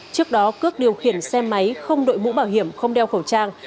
trước đó cước điều khiển xe máy không đội mũ bảo hiểm không đeo khẩu trang